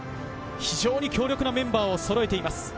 非常に強力なメンバーをそろえています。